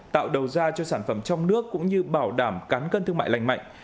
tạo đầu ra cho sản phẩm trong nước cũng như bảo đảm cán cân thương mại lành mạnh